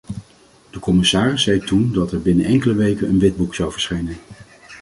De commissaris zei toen dat er binnen enkele weken een witboek zou verschijnen.